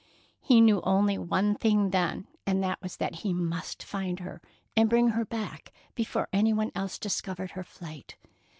He knew only one thing then, and that was that he must find her and bring her back before any one else discovered her flight.